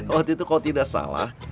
waktu itu kalau tidak salah